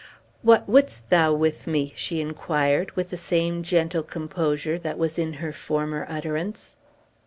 "What wouldst thou with me?" she inquired, with the same gentle composure that was in her former utterance.